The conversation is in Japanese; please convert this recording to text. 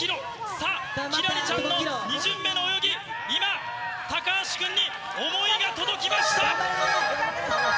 さあ、輝星ちゃんの２巡目の泳ぎ、今、高橋君に思いが届きました。